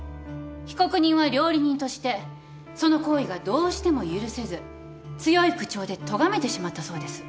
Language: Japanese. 被告人は料理人としてその行為がどうしても許せず強い口調でとがめてしまったそうです。